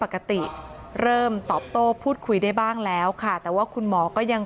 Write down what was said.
ปกติเริ่มตอบโต้พูดคุยได้บ้างแล้วค่ะแต่ว่าคุณหมอก็ยัง